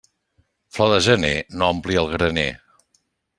Flor de gener no ompli el graner.